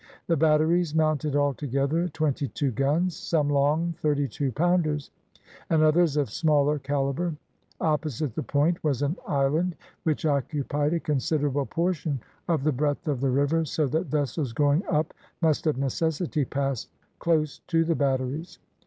The batteries mounted altogether twenty two guns, some long thirty two pounders, and others of smaller calibre. Opposite the point was an island, which occupied a considerable portion of the breadth of the river, so that vessels going up must of necessity pass close to the batteries.